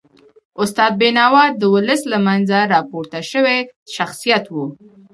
استاد بینوا د ولس له منځه راپورته سوی شخصیت و.